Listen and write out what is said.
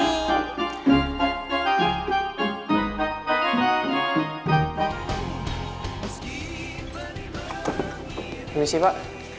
terus beri si pak